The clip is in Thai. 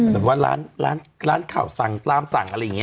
แบบว่าร้านข่าวสั่งตามสั่งอะไรอย่างนี้